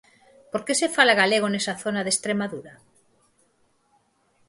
Por que se fala galego nesa zona de Estremadura?